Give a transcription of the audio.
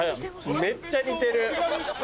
めっちゃ似てる。